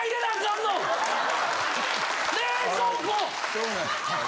しょうがない。